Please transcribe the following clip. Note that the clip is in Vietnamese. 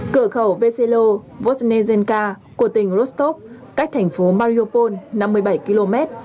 cửa khẩu veselo vozhnezenka của tỉnh rostov cách thành phố mariupol năm mươi bảy km